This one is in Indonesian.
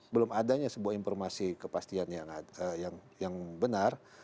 belum adanya sebuah informasi kepastian yang benar